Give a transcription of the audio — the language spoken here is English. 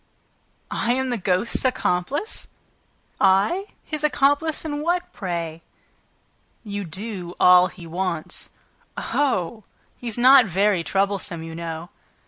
"I am the ghost's accomplice? I? ... His accomplice in what, pray?" "You do all he wants." "Oh! He's not very troublesome, you know."